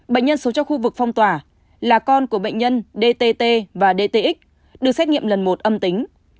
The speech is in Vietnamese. bệnh nhân sống trong khu vực phong tỏa là con của bệnh nhân d t t và d t x được xét nghiệm lần một âm tính